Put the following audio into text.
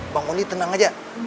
bangunin tenang aja